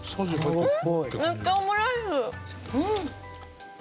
うん！